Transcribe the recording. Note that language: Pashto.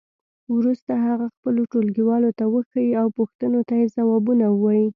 وروسته هغه خپلو ټولګیوالو ته وښیئ او پوښتنو ته یې ځوابونه ووایئ.